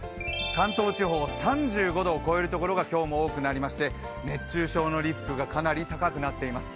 関東地方３５度を超えるところが多くなりまして熱中症のリスクがかなり高くなっています。